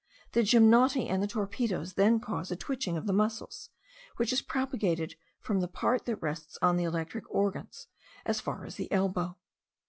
The gymnoti and the torpedos then cause a twitching of the muscles, which is propagated from the part that rests on the electric organs, as far as the elbow.